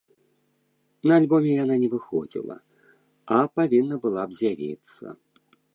На альбоме яна не выходзіла, а павінна была б з'явіцца.